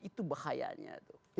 itu bahayanya tuh